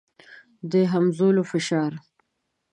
د همځولو فشار.